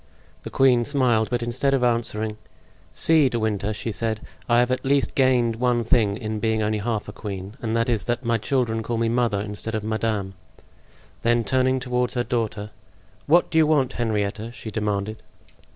The queen smiled, but instead of answering: "See, De Winter," she said, "I have at least gained one thing in being only half a queen; and that is that my children call me 'mother' instead of 'madame.'" Then turning toward her daughter: "What do you want, Henrietta?" she demanded.